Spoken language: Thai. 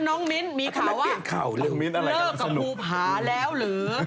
น้องมิ้นท์มีข่าวว่าเลิกกับภูผาแล้วหรือ